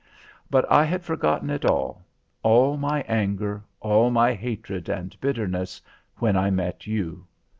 But I had forgotten it all all my anger, all my hatred and bitterness, when I met you.